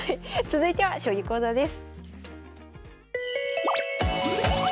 続いては将棋講座です。